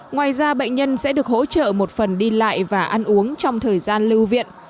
ngoài ra bệnh nhân sẽ được hỗ trợ một phần đi lại và ăn uống trong thời gian lưu viện